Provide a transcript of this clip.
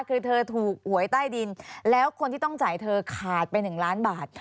คือเธอถูกหวยใต้ดินแล้วคนที่ต้องจ่ายเธอขาดไป๑ล้านบาท